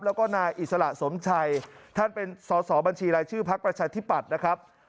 แล้วก็นายอิสระสมชัยท่านเป็นสอสอบัญชีรายชื่อพักประชาธิปัตย์นะครับ